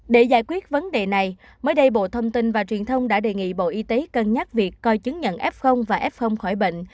để giải quyết vấn đề này mới đây bộ thông tin và truyền thông đã đề nghị bộ y tế cân nhắc việc coi chứng nhận f và f khỏi bệnh